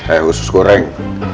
eh khusus goreng